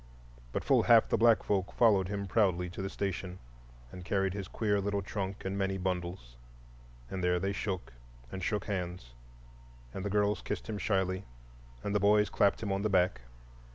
But full half the black folk followed him proudly to the station, and carried his queer little trunk and many bundles. And there they shook and shook hands, and the girls kissed him shyly and the boys clapped him on the back.